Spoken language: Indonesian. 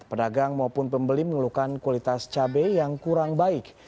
pedagang maupun pembeli mengeluhkan kualitas cabai yang kurang baik